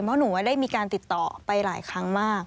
เพราะหนูว่าได้มีการติดต่อไปหลายครั้งมาก